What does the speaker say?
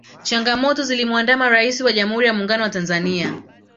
changamoto zilimuandama raisi wa jamuhuri ya muungano wa tanzania